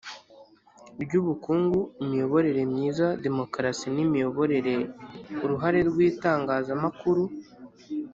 Ry ubukungu imiyoborere myiza demokarasi n imiyoborere uruhare rw itangazamakuru